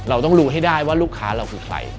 เราต้องรู้ให้ได้ว่าลูกค้าเราคือใคร